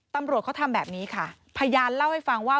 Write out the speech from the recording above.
ตำรวจเขาทำแบบนี้ค่ะพยานเล่าให้ฟังว่า